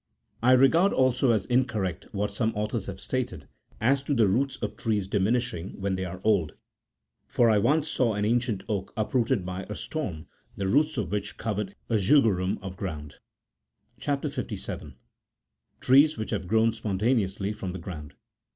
I regard also as incorrect what some authors have stated, as to the roots of trees diminishing66 when they are old ; for I once saw an ancient oak, uprooted by a storm, the roots of which covered a jugerum of ground. CHAP. 57. TREES WHICH HAVE GROWN SPONTANEOUSLY EROM THE GROUND.